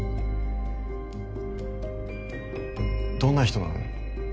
どんな人なの？